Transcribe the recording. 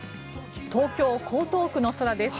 東京・江東区の空です。